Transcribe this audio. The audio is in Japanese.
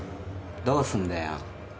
どうすんだよ？